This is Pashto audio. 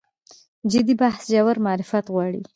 جدي بحث ژور معرفت غواړي.